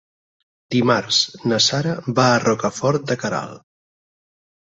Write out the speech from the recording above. Dimarts na Sara va a Rocafort de Queralt.